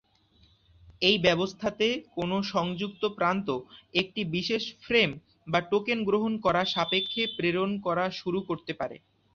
এই ব্যবস্থাতে কোনো সংযুক্ত প্রান্ত একটি বিশেষ ফ্রেম বা টোকেন গ্রহণ করা সাপেক্ষে প্রেরণ করা শুরু করতে পারে।